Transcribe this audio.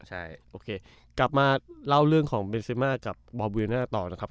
ใช่โอเคกลับมาเล่าเรื่องของเบนซิมากับบอบวิน่าต่อนะครับ